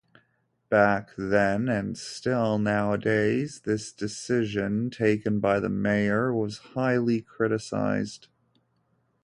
Back then, and still nowadays, this decision, taken by the mayor, was highly criticized.